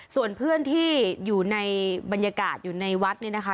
ส่วนเพื่อนที่อยู่ในบรรยากาศอยู่ในวัดเนี่ยนะคะ